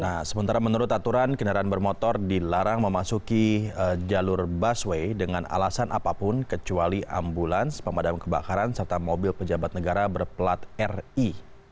nah sementara menurut aturan kendaraan bermotor dilarang memasuki jalur busway dengan alasan apapun kecuali ambulans pemadam kebakaran serta mobil pejabat negara berplat ri